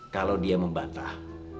kalau dia membantah